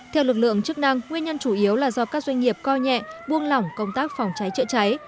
theo lực lượng chức năng nguyên nhân chủ yếu là do các doanh nghiệp coi nhẹ buông lỏng công tác phòng cháy chữa cháy